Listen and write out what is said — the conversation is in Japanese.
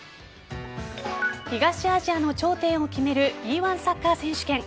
東アジアの頂点を決めるＥ‐１サッカー選手権。